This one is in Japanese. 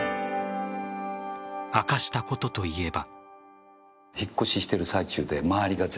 明かしたことといえば。